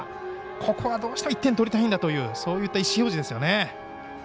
ここはどうしても１点取りたいんだというそういった意志表示ですよね。